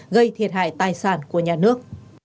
gây thiệt hại tài sản của nhà nước